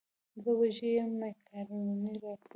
زه وږی یم مېکاروني راکړه.